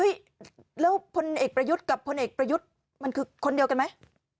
แล้วพลเอกประยุทธ์กับพลเอกประยุทธ์มันคือคนเดียวกันไหม